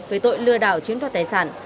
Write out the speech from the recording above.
với tội lừa đảo chiếm đoạt tài sản